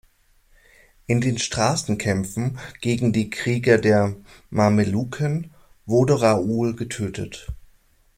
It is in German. In den Straßenkämpfen gegen die Krieger der Mameluken wurde Raoul getötet.